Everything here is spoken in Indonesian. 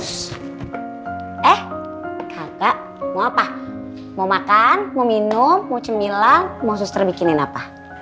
eh kakak mau apa mau makan mau minum mau cemilang mau suster bikinin apa